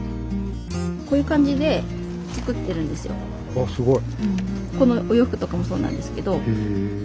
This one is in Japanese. あっすごい。